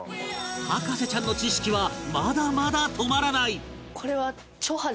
博士ちゃんの知識はまだまだ止まらない